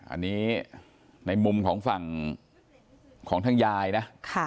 อันนี้ในมุมของฝั่งของทางยายนะ